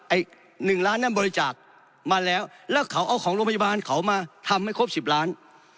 ไอ้๑ล้านนั้นบริจาคมาแล้วแล้วเขาเอาของโรงพยาบาลเขามาทำให้ครบ๑๐ล้าน